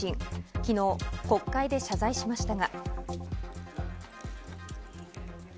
昨日、国会で謝罪しましたが。